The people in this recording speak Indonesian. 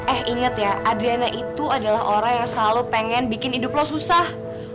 eh inget ya adriana itu adalah orang yang selalu pengen bikin hidup lo susah